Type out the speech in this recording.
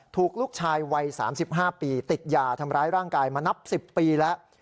ถูกลูกชายวัย๓๕ปีติดยาทำร้ายร่างกายมานับ๑๐ปีแล้ว